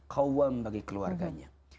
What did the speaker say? kawam bagi keluarganya